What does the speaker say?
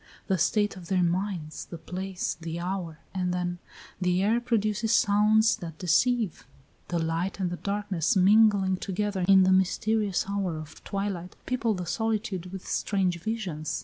The state of their minds, the place, the hour and then, the air produces sounds that deceive; the light and the darkness mingling together in the mysterious hour of twilight people the solitude with strange visions.